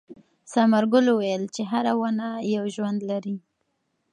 ثمر ګل وویل چې هره ونه یو ژوند لري.